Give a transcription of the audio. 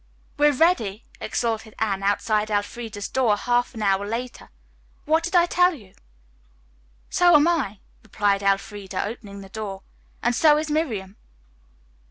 "We are ready," exulted Anne outside Elfreda's door half an hour later. "What did I tell you?" "So am I," replied Elfreda, opening the door. "And so is Miriam."